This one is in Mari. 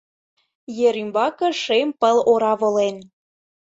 Ер ӱмбаке шем пыл ора волен.